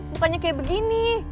bukannya kayak begini